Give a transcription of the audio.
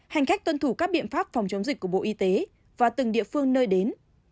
hành khách tuân thủ các biện pháp phòng chống dịch của bộ y tế và từng địa phương nơi đến